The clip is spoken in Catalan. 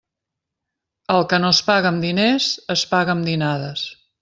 El que no es paga amb diners es paga amb dinades.